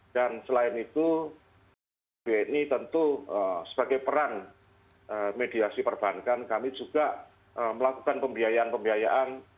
dan selain itu bank bni tentu sebagai peran mediasi perbankan kami juga melakukan pembiayaan pembiayaan